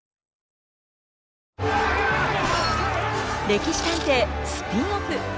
「歴史探偵」スピンオフ。